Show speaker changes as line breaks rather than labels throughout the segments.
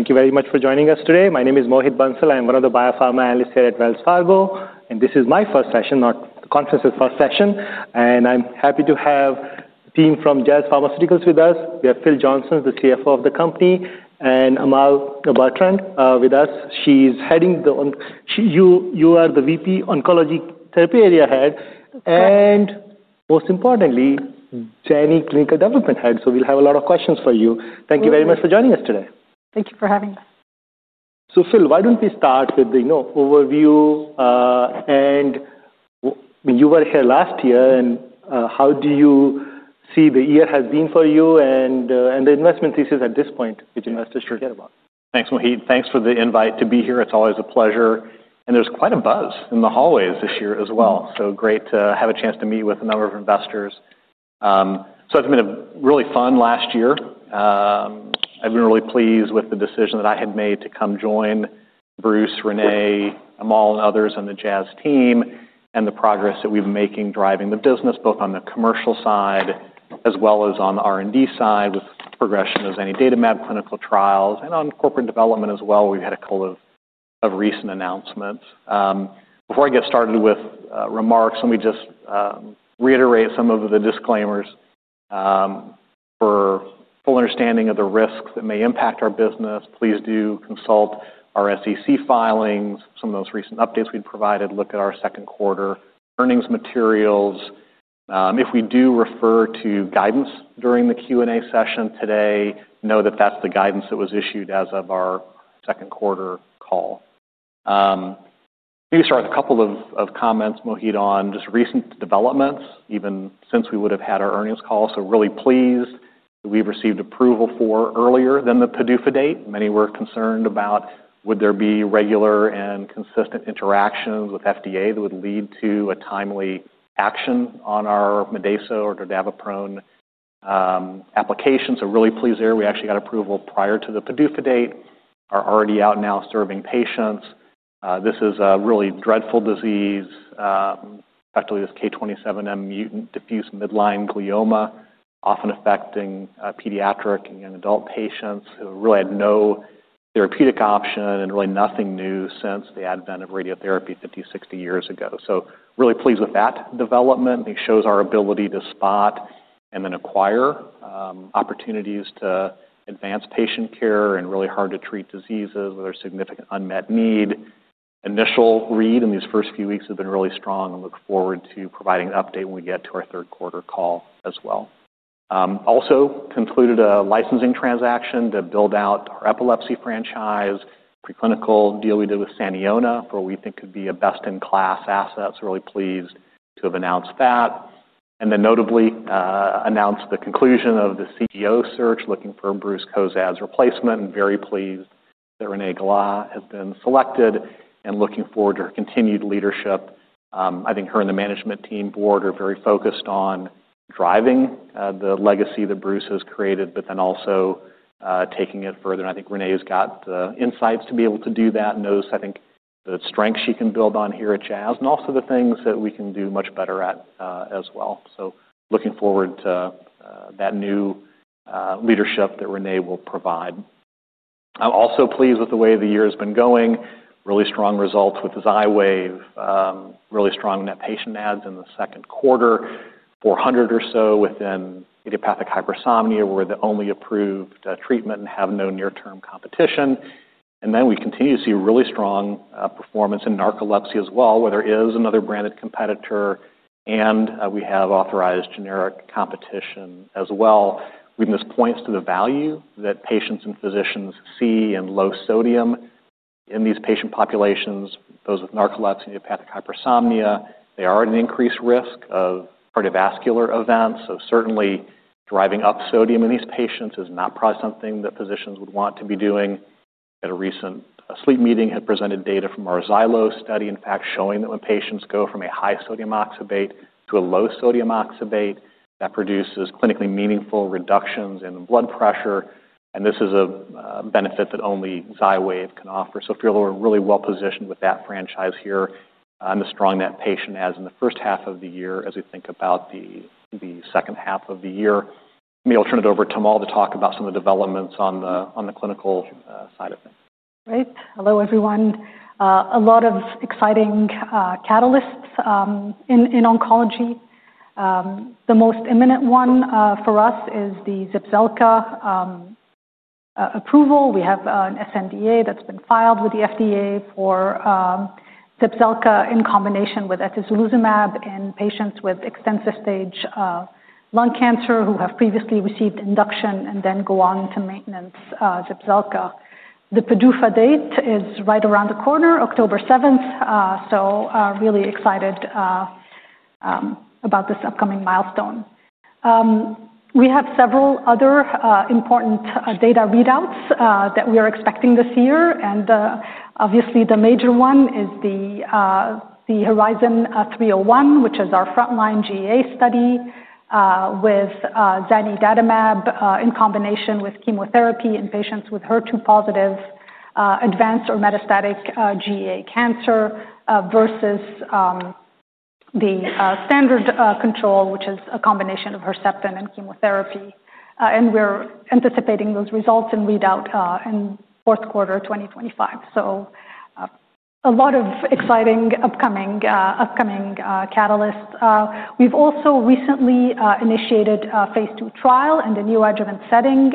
Thank you very much for joining us today. My name is Mohit Bansal. I'm one of the biopharma analysts here at Wells Fargo, and this is my first session, not the conference's first session. I'm happy to have the team from Jazz Pharmaceuticals with us. We have Phil Johnson, the CFO of the company, and Amal Bartrand with us. She's the Vice President, Oncology Therapy Area Head, and most importantly, Jenny, Clinical Development Head. We'll have a lot of questions for you. Thank you very much for joining us today.
Thank you for having us.
Phil, why don't we start with the overview? You were here last year, and how do you see the year has been for you and the investment thesis at this point, which investors should care about?
Thanks, Mohit. Thanks for the invite to be here. It's always a pleasure. There's quite a buzz in the hallways this year as well. Great to have a chance to meet with a number of investors. It's been a really fun last year. I've been really pleased with the decision that I had made to come join Bruce, Renée, Amal, and others on the Jazz team and the progress that we've been making driving the business, both on the commercial side as well as on the R&D side with progression of Zanidatamab clinical trials and on corporate development as well. We've had a couple of recent announcements. Before I get started with remarks, let me just reiterate some of the disclaimers. For a full understanding of the risks that may impact our business, please do consult our SEC filings, some of those recent updates we've provided, look at our second quarter earnings materials. If we do refer to guidance during the Q&A session today, know that that's the guidance that was issued as of our second quarter call. Maybe start with a couple of comments, Mohit, on just recent developments, even since we would have had our earnings call. Really pleased that we've received approval for earlier than the PDUFA date. Many were concerned about would there be regular and consistent interactions with FDA that would lead to a timely action on our Midaso or Dodavapene application. Really pleased here we actually got approval prior to the PDUFA date. Are already out now serving patients. This is a really dreadful disease, effectively this K27M mutant diffuse midline glioma, often affecting pediatric and young adult patients. It really had no therapeutic option and really nothing new since the advent of radiotherapy 50, 60 years ago. Really pleased with that development. It shows our ability to spot and then acquire opportunities to advance patient care in really hard-to-treat diseases with a significant unmet need. Initial read in these first few weeks has been really strong. I look forward to providing an update when we get to our third quarter call as well. Also, concluded a licensing transaction to build out our epilepsy franchise, a preclinical deal we did with Saniona for what we think could be a best-in-class asset. Really pleased to have announced that. Notably announced the conclusion of the CEO search looking for Bruce Cozadd's replacement. I'm very pleased that Renée Galá has been selected and looking forward to her continued leadership. I think her and the management team board are very focused on driving the legacy that Bruce has created, but then also taking it further. I think Renée has got the insights to be able to do that and knows, I think, the strengths she can build on here at Jazz and also the things that we can do much better at as well. Looking forward to that new leadership that Renée will provide. I'm also pleased with the way the year has been going. Really strong results with Xywav. Really strong net patient adds in the second quarter, four hundred or so within idiopathic hypersomnia where the only approved treatment and have no near-term competition. We continue to see really strong performance in narcolepsy as well, where there is another branded competitor and we have authorized generic competition as well. I think this points to the value that patients and physicians see in low sodium in these patient populations, those with narcolepsy and idiopathic hypersomnia. They are at an increased risk of cardiovascular events. Certainly driving up sodium in these patients is not probably something that physicians would want to be doing. At a recent sleep meeting, I had presented data from our Xywav study, in fact, showing that when patients go from a high sodium oxybate to a low sodium oxybate, that produces clinically meaningful reductions in blood pressure. This is a benefit that only Xywav can offer. I feel we're really well positioned with that franchise here and the strong net patient adds in the first half of the year as we think about the second half of the year. Maybe I'll turn it over to Amal to talk about some of the developments on the clinical side of things.
Right. Hello everyone. A lot of exciting catalysts in oncology. The most imminent one for us is the Zepzelca approval. We have an sNDA that's been filed with the FDA for Zepzelca in combination with atezolizumab in patients with extensive-stage small cell lung cancer who have previously received induction and then go on to maintenance Zepzelca. The PDUFA date is right around the corner, October 7th. Really excited about this upcoming milestone. We have several other important data readouts that we are expecting this year. Obviously, the major one is the Horizon 301, which is our frontline GEA study with Zanidatamab in combination with chemotherapy in patients with HER2-positive advanced or metastatic gastroesophageal adenocarcinoma versus the standard control, which is a combination of Herceptin and chemotherapy. We're anticipating those results and readout in fourth quarter of 2025. A lot of exciting upcoming catalysts. We've also recently initiated a phase two trial in the neoadjuvant setting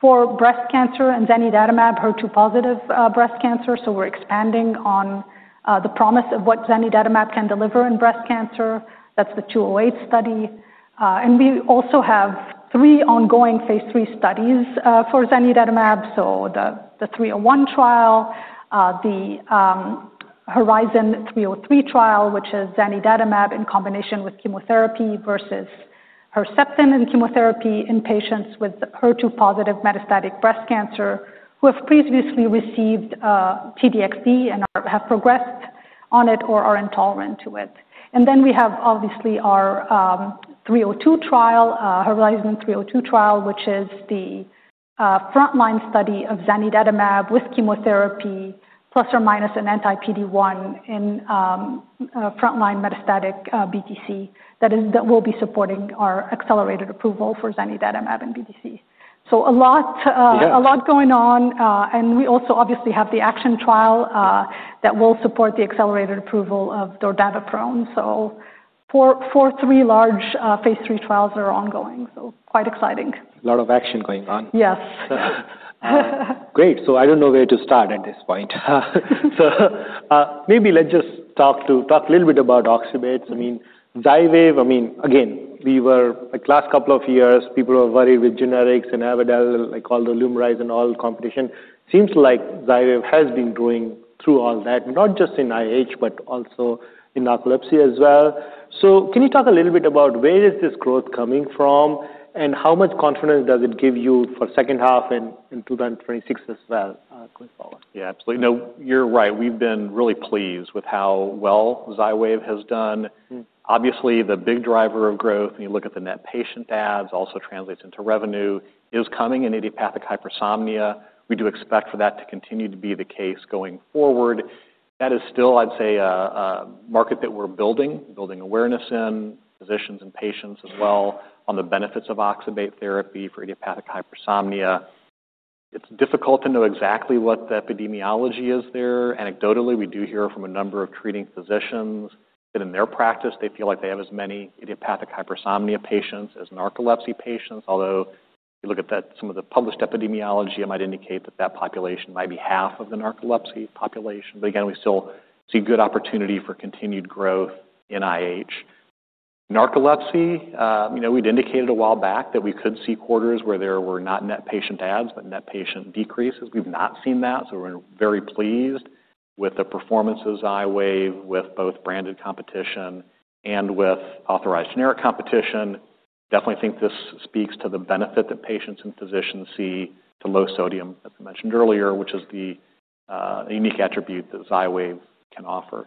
for breast cancer and Zanidatamab HER2-positive breast cancer. We're expanding on the promise of what Zanidatamab can deliver in breast cancer. That's the 208 study. We also have three ongoing phase three studies for Zanidatamab. The 301 trial, the Horizon 303 trial, which is Zanidatamab in combination with chemotherapy versus Herceptin and chemotherapy in patients with HER2-positive metastatic breast cancer who have previously received TDXD and have progressed on it or are intolerant to it. We have our 302 trial, Horizon 302 trial, which is the frontline study of Zanidatamab with chemotherapy plus or minus an anti-PD1 in frontline metastatic biliary tract cancer that will be supporting our accelerated approval for Zanidatamab in BTC. A lot going on. We also have the ACTION trial that will support the accelerated approval of Dordaviprone. Four, three large phase three trials that are ongoing. Quite exciting.
A lot of action is going on.
Yes.
Great. I don't know where to start at this point. Maybe let's just talk a little bit about oxybates. I mean, Xywav, I mean, again, we were like last couple of years, people were worried with generics and Avadel, like all the Lumryz and all the competition. Seems like Xywav has been growing through all that, not just in IH, but also in narcolepsy as well. Can you talk a little bit about where is this growth coming from and how much confidence does it give you for the second half and 2026 as well going forward?
Yeah, absolutely. No, you're right. We've been really pleased with how well Xywav has done. Obviously, the big driver of growth, when you look at the net patient adds, also translates into revenue, is coming in idiopathic hypersomnia. We do expect for that to continue to be the case going forward. That is still, I'd say, a market that we're building, building awareness in physicians and patients as well on the benefits of oxybate therapy for idiopathic hypersomnia. It's difficult to know exactly what the epidemiology is there. Anecdotally, we do hear from a number of treating physicians that in their practice, they feel like they have as many idiopathic hypersomnia patients as narcolepsy patients. Although, if you look at some of the published epidemiology, it might indicate that that population might be half of the narcolepsy population. Again, we still see good opportunity for continued growth in IH. Narcolepsy, you know, we'd indicated a while back that we could see quarters where there were not net patient adds, but net patient decreases. We've not seen that. We're very pleased with the performance of Xywav with both branded competition and with authorized generic competition. Definitely think this speaks to the benefit that patients and physicians see to low sodium, as I mentioned earlier, which is the unique attribute that Xywav can offer.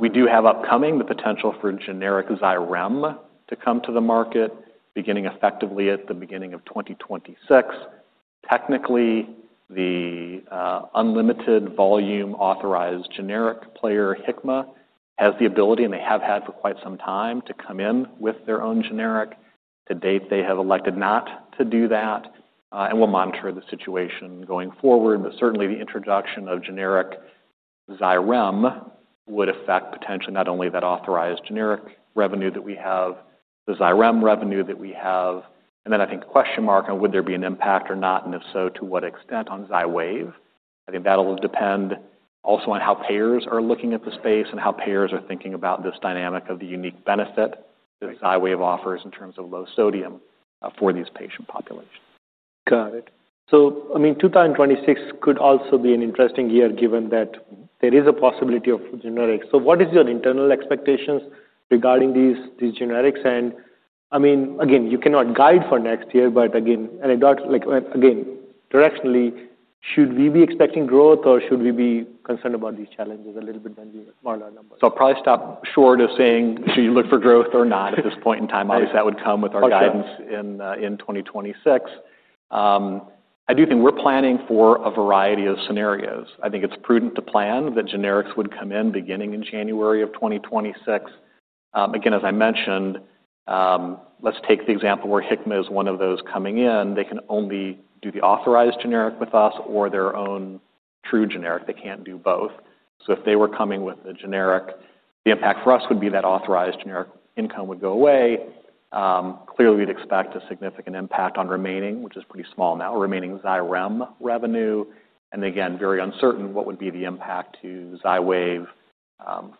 We do have upcoming the potential for generic Xyrem to come to the market, beginning effectively at the beginning of 2026. Technically, the unlimited volume authorized generic player HCMA has the ability, and they have had for quite some time, to come in with their own generic. To date, they have elected not to do that. We'll monitor the situation going forward. Certainly, the introduction of generic Xyrem would affect potentially not only that authorized generic revenue that we have, the Xyrem revenue that we have, and then I think question mark on would there be an impact or not, and if so, to what extent on Xywav. I think that'll depend also on how payers are looking at the space and how payers are thinking about this dynamic of the unique benefit that Xywav offers in terms of low sodium for these patient populations.
Got it. I mean, 2026 could also be an interesting year given that there is a possibility of generics. What is your internal expectations regarding these generics? I mean, again, you cannot guide for next year, but again, I doubt, like, directionally, should we be expecting growth or should we be concerned about these challenges a little bit more?
I'll probably stop short of saying should you look for growth or not at this point in time. Obviously, that would come with our guidance in 2026. I do think we're planning for a variety of scenarios. I think it's prudent to plan that generics would come in beginning in January of 2026. Again, as I mentioned, let's take the example where HCMA is one of those coming in. They can only do the authorized generic with us or their own true generic. They can't do both. If they were coming with a generic, the impact for us would be that authorized generic income would go away. Clearly, we'd expect a significant impact on remaining, which is a pretty small amount, remaining Xyrem revenue. Again, very uncertain what would be the impact to Xywav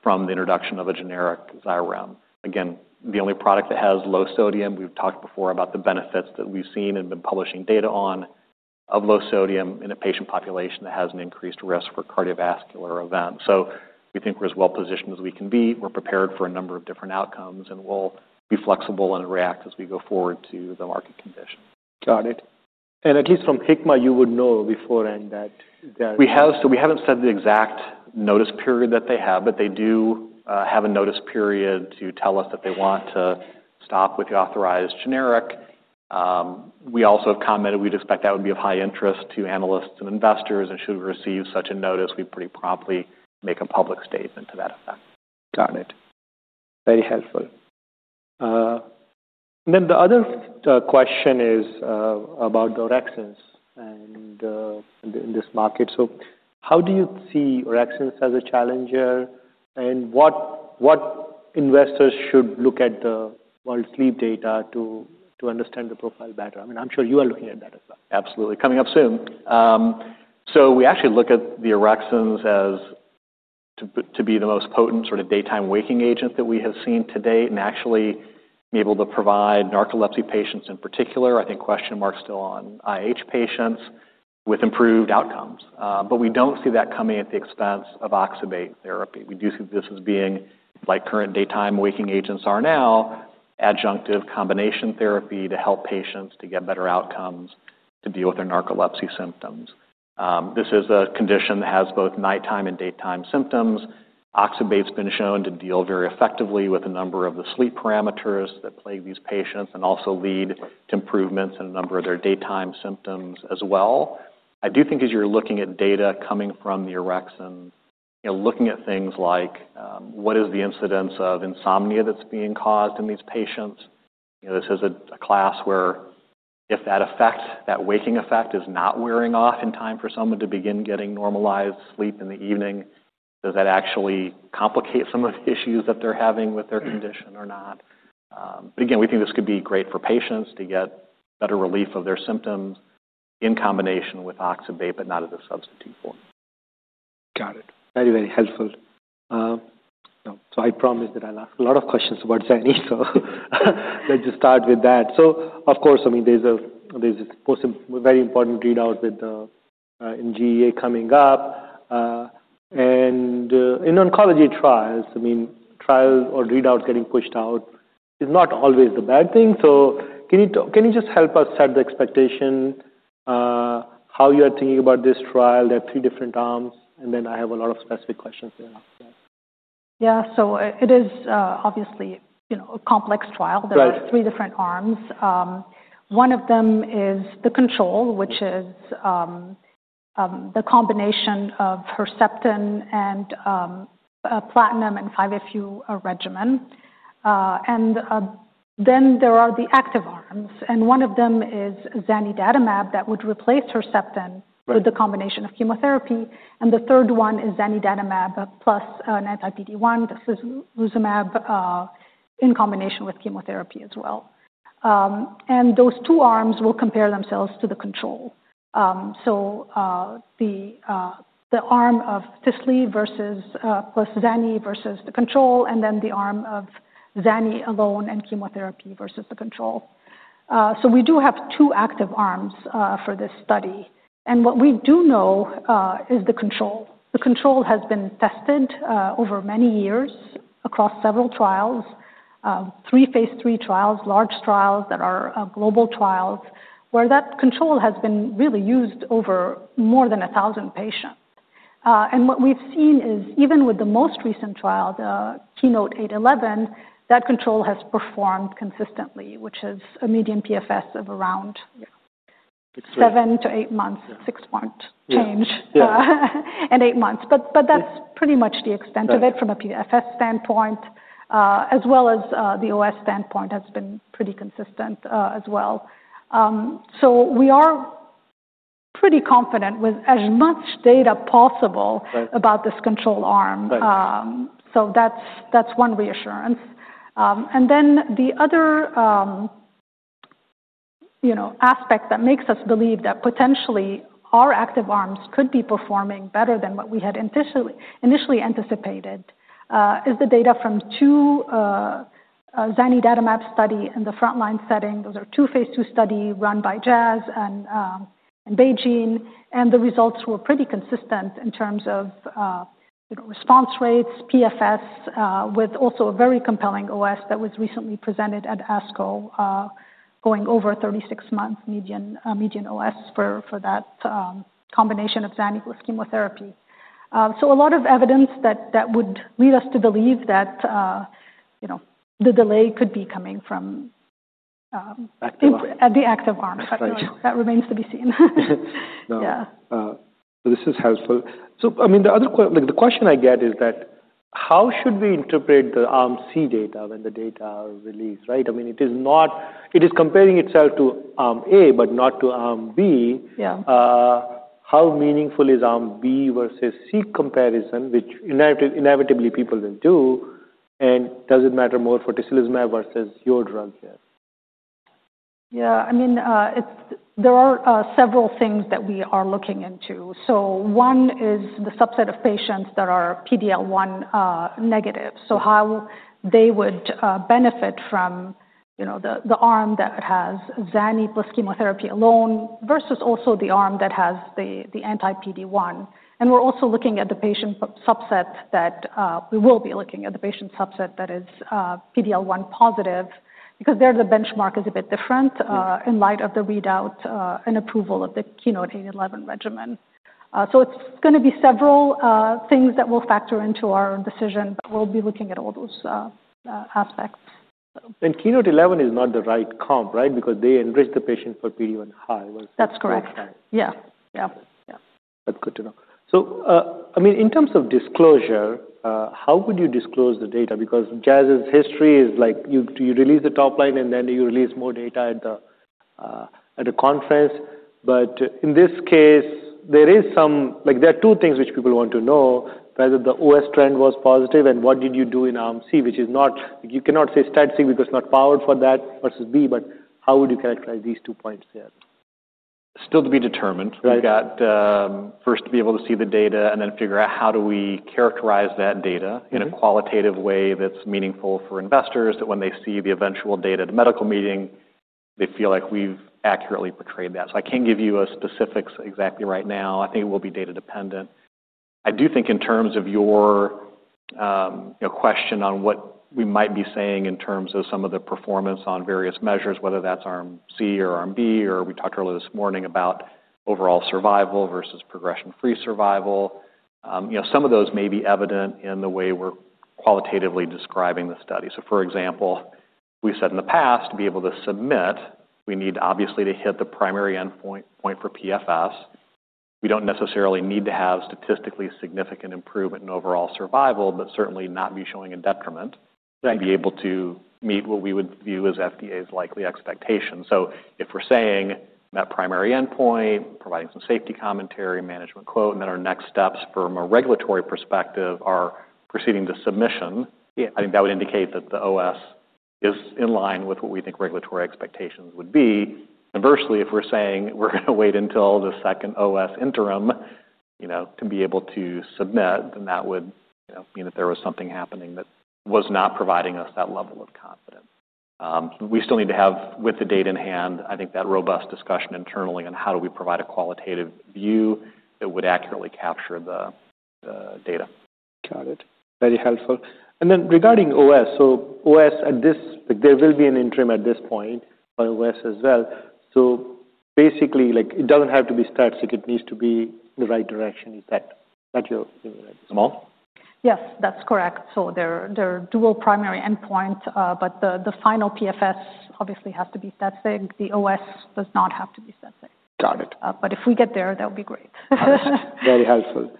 from the introduction of a generic Xyrem. Again, the only product that has low sodium, we've talked before about the benefits that we've seen and been publishing data on of low sodium in a patient population that has an increased risk for cardiovascular events. We think we're as well positioned as we can be. We're prepared for a number of different outcomes and we'll be flexible and react as we go forward to the market condition.
Got it. At least from HCMA, you would know beforehand that.
We haven't said the exact notice period that they have, but they do have a notice period to tell us that they want to stop with the authorized generic. We also have commented we'd expect that would be of high interest to analysts and investors, and should we receive such a notice, we'd pretty promptly make a public statement to that effect.
Got it. Very helpful. The other question is about Durexins in this market. How do you see Durexins as a challenger and what investors should look at the world's lead data to understand the profile better? I'm sure you are looking at that as well.
Absolutely. Coming up soon. We actually look at the Durexins as to be the most potent sort of daytime waking agent that we have seen to date and actually be able to provide narcolepsy patients in particular, I think question mark still on IH patients, with improved outcomes. We don't see that coming at the expense of oxybate therapy. We do see this as being, like current daytime waking agents are now, adjunctive combination therapy to help patients to get better outcomes to deal with their narcolepsy symptoms. This is a condition that has both nighttime and daytime symptoms. Oxybate's been shown to deal very effectively with a number of the sleep parameters that plague these patients and also lead to improvements in a number of their daytime symptoms as well. I do think as you're looking at data coming from the Durexin, looking at things like what is the incidence of insomnia that's being caused in these patients. This is a class where if that effect, that waking effect, is not wearing off in time for someone to begin getting normalized sleep in the evening, does that actually complicate some of the issues that they're having with their condition or not? We think this could be great for patients to get better relief of their symptoms in combination with oxybate, but not as a substitute form.
Got it. Very, very helpful. I promised that I'll ask a lot of questions about Zanidatamab, so let's just start with that. There's a very important readout with the NDA coming up. In oncology trials, a trial or readout getting pushed out is not always a bad thing. Can you just help us set the expectation, how you are thinking about this trial? There are three different arms, and then I have a lot of specific questions there.
Yeah. It is obviously a complex trial. There are three different arms. One of them is the control, which is the combination of Herceptin and platinum and 5-FU regimen. There are the active arms, and one of them is Zanidatamab that would replace Herceptin with the combination of chemotherapy. The third one is Zanidatamab plus an anti-PD1, this is atezolizumab in combination with chemotherapy as well. Those two arms will compare themselves to the control. The arm of atezolizumab plus Zeni versus the control, and then the arm of Zeni alone and chemotherapy versus the control. We do have two active arms for this study. What we do know is the control. The control has been tested over many years across several trials, three phase 3 trials, large trials that are global trials where that control has been really used over more than 1,000 patients. What we've seen is even with the most recent trial, the KEYNOTE 811, that control has performed consistently, which is a median PFS of seven to eight months, six-point change, and eight months. That's pretty much the extent of it from a PFS standpoint, as well as the OS standpoint has been pretty consistent as well. We are pretty confident with as much data possible about this control arm. That's one reassurance. The other aspect that makes us believe that potentially our active arms could be performing better than what we had initially anticipated is the data from two Zanidatamab studies in the frontline setting. Those are two phase 2 studies run by Jazz and BeiGene. The results were pretty consistent in terms of response rates, PFS, with also a very compelling OS that was recently presented at ASCO, going over 36 months median OS for that combination of Zeni plus chemotherapy. A lot of evidence would lead us to believe that the delay could be coming from the active arms. That remains to be seen.
The other question I get is how should we interpret the arm C data when the data release, right? It is comparing itself to arm A, but not to arm B. How meaningful is arm B versus C comparison, which inevitably people then do? Does it matter more for Tisli versus Yodran?
Yeah. I mean, there are several things that we are looking into. One is the subset of patients that are PD-L1 negative, how they would benefit from the arm that has Zanidatamab plus chemotherapy alone versus the arm that has the anti-PD-1. We're also looking at the patient subset that is PD-L1 positive because there the benchmark is a bit different in light of the readout and approval of the KEYNOTE-811 regimen. It's going to be several things that will factor into our decision, but we'll be looking at all those aspects.
KEYNOTE 11 is not the right comp, right? Because they enrich the patient for PD1 high.
That's correct. Yeah. Yeah.
That's good to know. In terms of disclosure, how would you disclose the data? Because Jazz's history is like you release the top line and then you release more data at the conference. In this case, there are two things which people want to know: whether the OS trend was positive and what did you do in arm C, which is not, you cannot say stat C because it's not powered for that versus B. How would you characterize these two points there?
Still to be determined. We've got first to be able to see the data and then figure out how do we characterize that data in a qualitative way that's meaningful for investors that when they see the eventual data at a medical meeting, they feel like we've accurately portrayed that. I can't give you specifics exactly right now. I think it will be data dependent. I do think in terms of your question on what we might be saying in terms of some of the performance on various measures, whether that's arm C or arm B, or we talked earlier this morning about overall survival versus progression-free survival. Some of those may be evident in the way we're qualitatively describing the study. For example, we said in the past to be able to submit, we need obviously to hit the primary endpoint for PFS. We don't necessarily need to have statistically significant improvement in overall survival, but certainly not be showing a detriment to be able to meet what we would view as FDA's likely expectation. If we're saying met primary endpoint, providing some safety commentary, management quote, and then our next steps from a regulatory perspective are proceeding to submission, I think that would indicate that the OS is in line with what we think regulatory expectations would be. Conversely, if we're saying we're going to wait until the second OS interim to be able to submit, that would mean that there was something happening that was not providing us that level of confidence. We still need to have, with the data in hand, that robust discussion internally on how do we provide a qualitative view that would accurately capture the data.
Got it. Very helpful. Regarding OS, at this, there will be an interim at this point for OS as well. Basically, it doesn't have to be static. It needs to be in the right direction you think. Amal?
Yes, that's correct. There are dual primary endpoints, but the final PFS obviously has to be static. The OS does not have to be static.
Got it.
If we get there, that would be great.
Very helpful.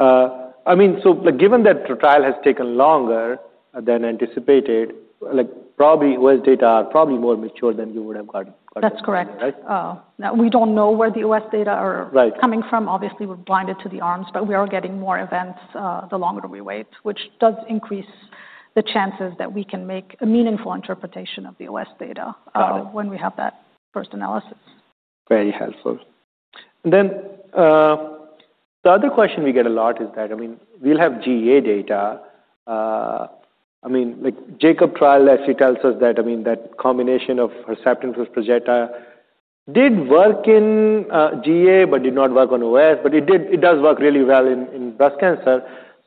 I mean, given that the trial has taken longer than anticipated, OS data are probably more mature than you would have gotten.
That's correct. We don't know where the OS data are coming from. Obviously, we're blinded to the arms, but we are getting more events the longer we wait, which does increase the chances that we can make a meaningful interpretation of the OS data when we have that first analysis.
Very helpful. The other question we get a lot is that, I mean, we'll have GEA data. I mean, like Jacob trial, as he tells us that, I mean, that combination of Herceptin plus Perjeta did work in GEA, but did not work on OS. It does work really well in breast cancer.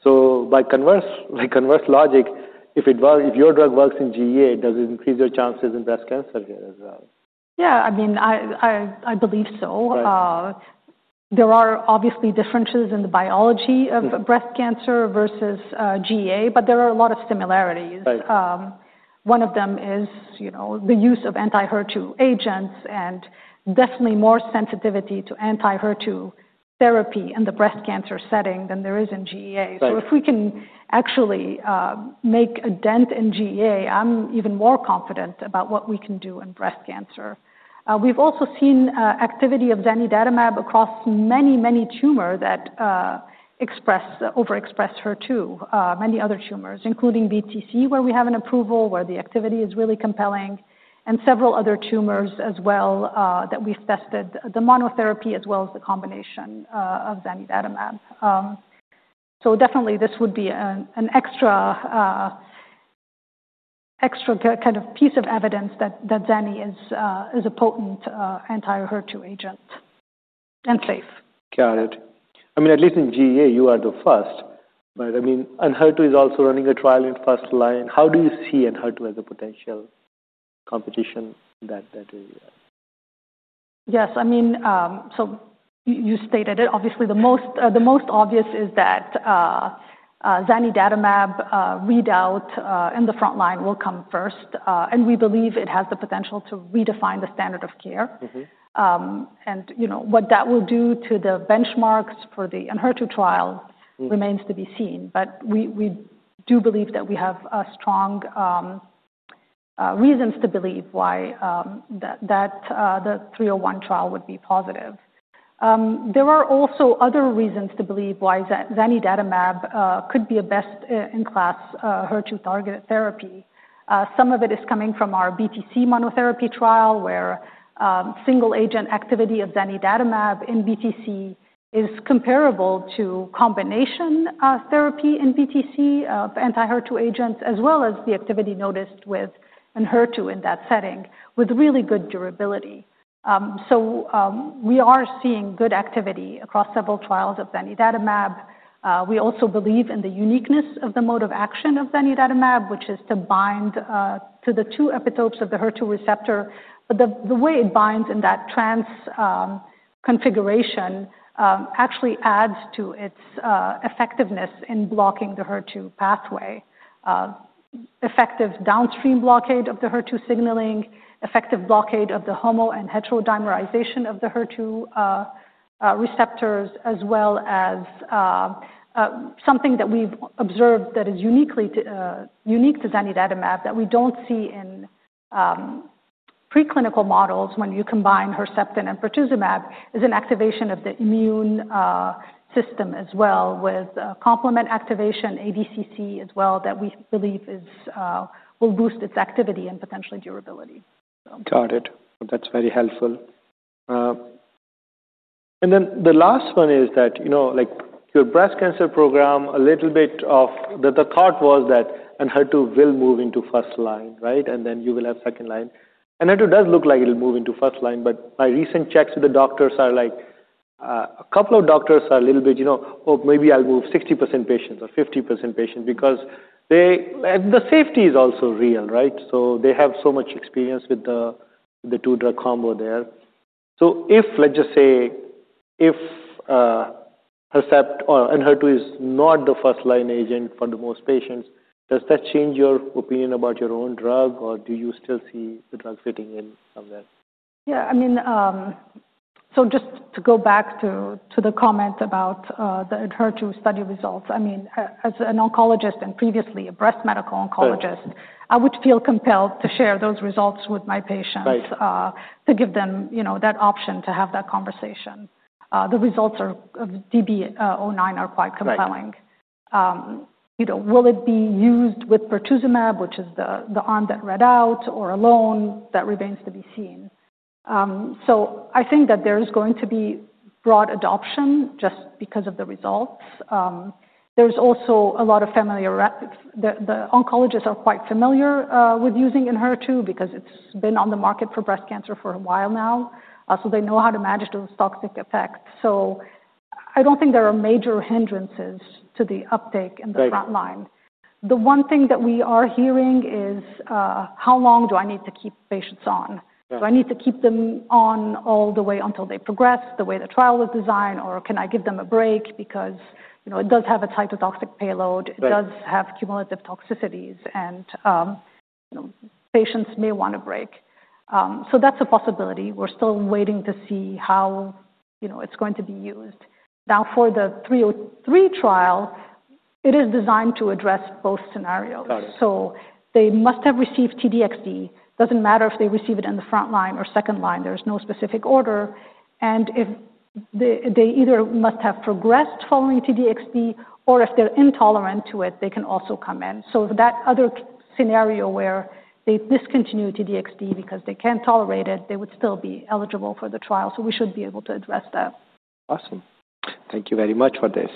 By converse logic, if your drug works in GEA, does it increase your chances in breast cancer here as well?
Yeah, I mean, I believe so. There are obviously differences in the biology of breast cancer versus GEA, but there are a lot of similarities. One of them is the use of anti-HER2 agents and definitely more sensitivity to anti-HER2 therapy in the breast cancer setting than there is in GEA. If we can actually make a dent in GEA, I'm even more confident about what we can do in breast cancer. We've also seen activity of Zanidatamab across many, many tumors that overexpress HER2, many other tumors, including biliary tract cancer, where we have an approval, where the activity is really compelling, and several other tumors as well that we've tested the monotherapy as well as the combination of Zanidatamab. This would be an extra kind of piece of evidence that Zani is a potent anti-HER2 agent and safe.
Got it. I mean, at least in GEA, you are the first. I mean, HER2 is also running a trial in first line. How do you see HER2 as a potential competition in that area?
Yes, I mean, you stated it. Obviously, the most obvious is that Zanidatamab readout in the front line will come first. We believe it has the potential to redefine the standard of care. What that will do to the benchmarks for the HER2 trial remains to be seen. We do believe that we have strong reasons to believe why the 301 trial would be positive. There are also other reasons to believe why Zanidatamab could be a best-in-class HER2 targeted therapy. Some of it is coming from our BTC monotherapy trial, where single-agent activity of Zanidatamab in BTC is comparable to combination therapy in BTC of anti-HER2 agents, as well as the activity noticed with HER2 in that setting with really good durability. We are seeing good activity across several trials of Zanidatamab. We also believe in the uniqueness of the mode of action of Zanidatamab, which is to bind to the two epitopes of the HER2 receptor. The way it binds in that trans-configuration actually adds to its effectiveness in blocking the HER2 pathway. Effective downstream blockade of the HER2 signaling, effective blockade of the homo and heterodimerization of the HER2 receptors, as well as something that we've observed that is unique to Zanidatamab that we don't see in preclinical models when you combine Herceptin and Pertuzumab is an activation of the immune system as well with complement activation, ADCC as well, that we believe will boost its activity and potentially durability.
Got it. That's very helpful. The last one is that, you know, like your breast cancer program, a little bit of the thought was that HER2 will move into first line, right? You will have second line. HER2 does look like it'll move into first line, but my recent checks with the doctors are like a couple of doctors are a little bit, you know, oh, maybe I'll move 60% patients or 50% patients because the safety is also real, right? They have so much experience with the two-drug combo there. If, let's just say, if HER2 is not the first-line agent for the most patients, does that change your opinion about your own drug, or do you still see the drug fitting in somewhere?
Yeah, I mean, just to go back to the comment about the HER2 study results, I mean, as an oncologist and previously a breast medical oncologist, I would feel compelled to share those results with my patients to give them, you know, that option to have that conversation. The results of DB09 are quite compelling. Will it be used with pertuzumab, which is the arm that read out, or alone? That remains to be seen. I think that there is going to be broad adoption just because of the results. There's also a lot of familiarity. The oncologists are quite familiar with using HER2 because it's been on the market for breast cancer for a while now. They know how to manage those toxic effects. I don't think there are major hindrances to the uptake in the front line. The one thing that we are hearing is how long do I need to keep patients on? Do I need to keep them on all the way until they progress the way the trial is designed, or can I give them a break? Because, you know, it does have a cytotoxic payload. It does have cumulative toxicities, and, you know, patients may want a break. That's a possibility. We're still waiting to see how, you know, it's going to be used. Now, for the 303 trial, it is designed to address both scenarios. They must have received TDXD. It doesn't matter if they receive it in the front line or second line. There's no specific order. If they either must have progressed following TDXD or if they're intolerant to it, they can also come in. If that other scenario where they discontinue TDXD because they can't tolerate it, they would still be eligible for the trial. We should be able to address that.
Awesome. Thank you very much for this.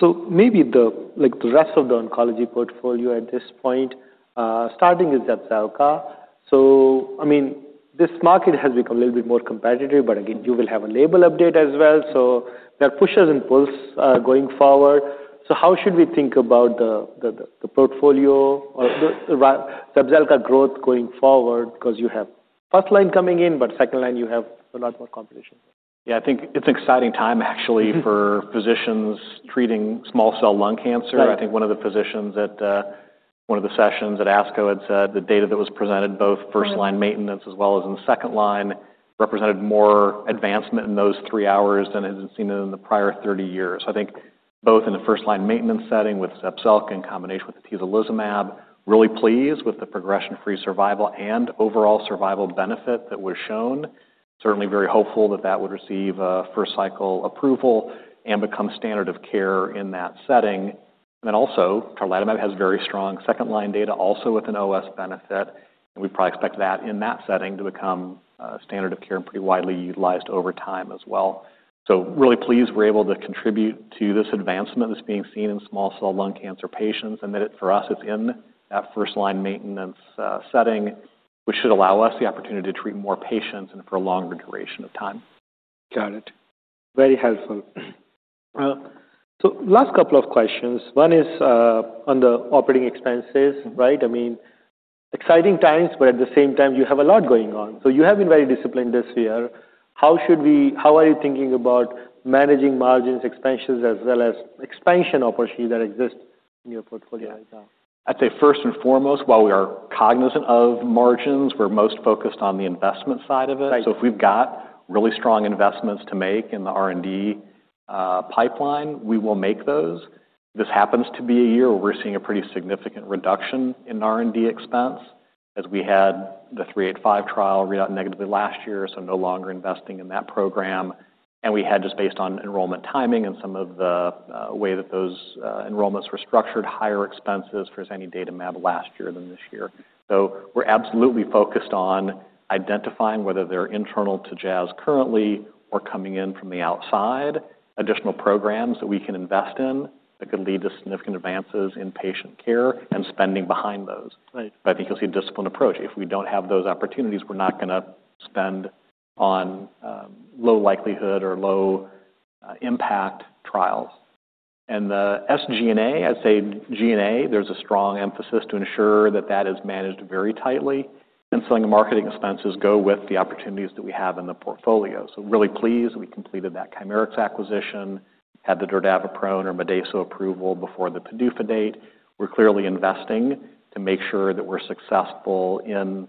Maybe the rest of the oncology portfolio at this point, starting with Zepzelca? I mean, this market has become a little bit more competitive, but again, you will have a label update as well. There are pushes and pulls going forward. How should we think about the portfolio or the Zepzelca growth going forward? You have first line coming in, but second line, you have a lot more competition.
Yeah, I think it's an exciting time, actually, for physicians treating small cell lung cancer. I think one of the physicians at one of the sessions at ASCO had said the data that was presented, both first line maintenance as well as in the second line, represented more advancement in those three hours than had been seen in the prior 30 years. I think both in a first line maintenance setting with Zepzelca in combination with atezolizumab, really pleased with the progression-free survival and overall survival benefit that was shown. Certainly very hopeful that that would receive a first cycle approval and become standard of care in that setting. Also, Zanidatamab has very strong second line data, also with an OS benefit. We probably expect that in that setting to become standard of care and pretty widely utilized over time as well. Really pleased we're able to contribute to this advancement that's being seen in small cell lung cancer patients and that for us, it's in that first line maintenance setting, which should allow us the opportunity to treat more patients and for a longer duration of time.
Got it. Very helpful. Last couple of questions. One is on the operating expenses, right? I mean, exciting times, but at the same time, you have a lot going on. You have been very disciplined this year. How should we, how are you thinking about managing margins, expenses, as well as expansion opportunities that exist in your portfolio right now?
I'd say first and foremost, while we are cognizant of margins, we're most focused on the investment side of it. If we've got really strong investments to make in the R&D pipeline, we will make those. This happens to be a year where we're seeing a pretty significant reduction in R&D expense as we had the 385 trial readout negatively last year. No longer investing in that program. We had, just based on enrollment timing and some of the way that those enrollments were structured, higher expenses for Zanidatamab last year than this year. We're absolutely focused on identifying whether they're internal to Jazz currently or coming in from the outside, additional programs that we can invest in that could lead to significant advances in patient care and spending behind those. I think you'll see a disciplined approach. If we don't have those opportunities, we're not going to spend on low likelihood or low impact trials. The SG&A, I'd say G&A, there's a strong emphasis to ensure that that is managed very tightly. Selling and marketing expenses go with the opportunities that we have in the portfolio. Really pleased that we completed that Chimerix acquisition, had the Dodavapene or Midaso approval before the PDUFA date. We're clearly investing to make sure that we're successful in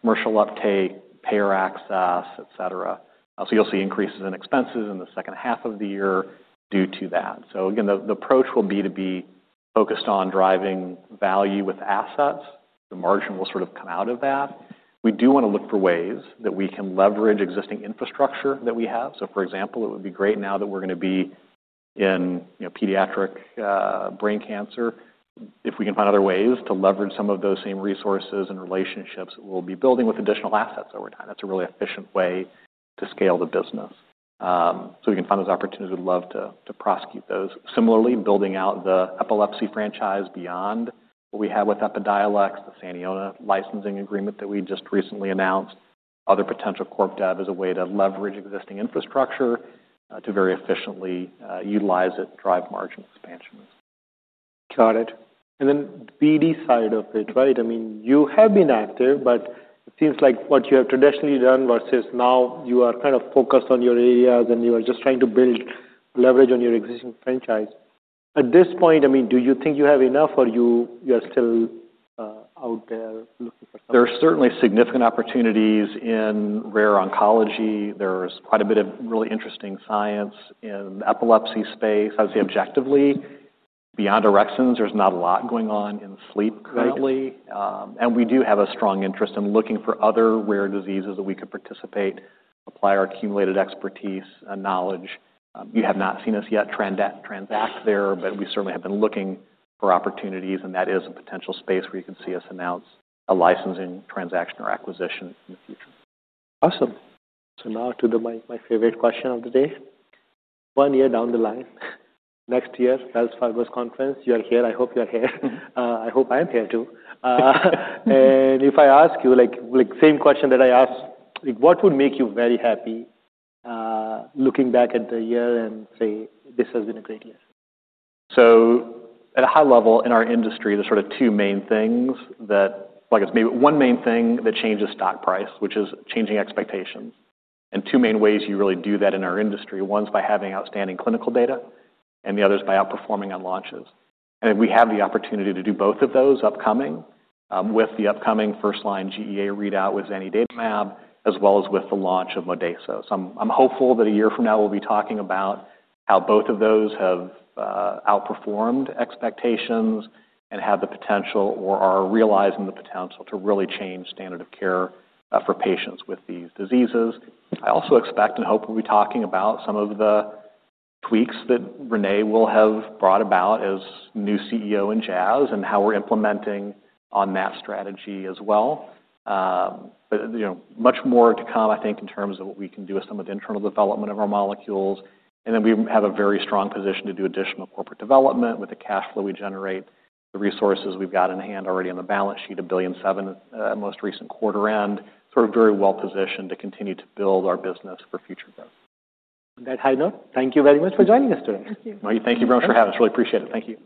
commercial uptake, payer access, etc. You'll see increases in expenses in the second half of the year due to that. The approach will be to be focused on driving value with assets. The margin will sort of come out of that. We do want to look for ways that we can leverage existing infrastructure that we have. For example, it would be great now that we're going to be in pediatric brain cancer if we can find other ways to leverage some of those same resources and relationships that we'll be building with additional assets over time. That's a really efficient way to scale the business. If we can find those opportunities, we'd love to prosecute those. Similarly, building out the epilepsy franchise beyond what we have with Epidiolex, the Saniona licensing agreement that we just recently announced, other potential corp dev as a way to leverage existing infrastructure to very efficiently utilize it, drive margin expansions.
Got it. The BD side of it, right? I mean, you have been active, but it seems like what you have traditionally done versus now you are kind of focused on your areas and you are just trying to build leverage on your existing franchise. At this point, do you think you have enough or you are still out there looking for something?
There's certainly significant opportunities in rare oncology. There's quite a bit of really interesting science in the epilepsy space. Obviously, objectively, beyond Durexins, there's not a lot going on in sleep currently. We do have a strong interest in looking for other rare diseases that we could participate, apply our accumulated expertise and knowledge. You have not seen us yet transact there, but we certainly have been looking for opportunities. That is a potential space where you can see us announce a licensing transaction or acquisition in the future.
Awesome. Now to my favorite question of the day. One year down the line, next year, Wells Fargo's conference. You are here. I hope you're here. I hope I am here too. If I ask you, like the same question that I asked, what would make you very happy looking back at the year and say, this has been a great year?
At a high level in our industry, there are sort of two main things that, like it's maybe one main thing that changes stock price, which is changing expectations. Two main ways you really do that in our industry. One's by having outstanding clinical data, and the other's by outperforming on launches. We have the opportunity to do both of those upcoming with the upcoming first line GEA readout with Zanidatamab, as well as with the launch of Dodavapene. I'm hopeful that a year from now we'll be talking about how both of those have outperformed expectations and have the potential or are realizing the potential to really change standard of care for patients with these diseases. I also expect and hope we'll be talking about some of the tweaks that Renée Galá will have brought about as new CEO in Jazz Pharmaceuticals and how we're implementing on that strategy as well. Much more to come, I think, in terms of what we can do with some of the internal development of our molecules. We have a very strong position to do additional corporate development with the cash flow we generate, the resources we've got in hand already on the balance sheet of $1.7 billion at the most recent quarter- end, very well positioned to continue to build our business for future growth.
Thank you very much for joining us today.
Thank you. Thank you very much for having us. Really appreciate it. Thank you.